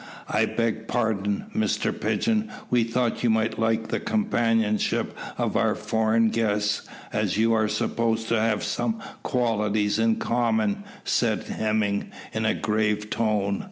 "I beg pardon, Mr Pigeon, we thought you might like the companionship of our foreign guests, as you are supposed to have some qualities in common," said Hemming, in a grave tone.